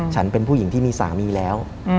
ฉันเป็นผู้หญิงที่มีสามีแล้ว